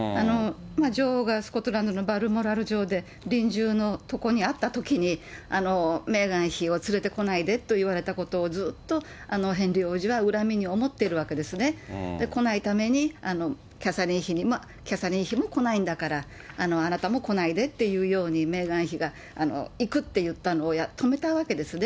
女王がスコットランドのバルモラル城で臨終の床にあったときに、メーガン妃を連れてこないでと言われたことを、ずっとヘンリー王子は恨みに思ってるわけですね。来ないために、キャサリン妃に、キャサリン妃も来ないんだから、あなたも来ないでっていうように、メーガン妃が行くって言ったのを止めたわけですね。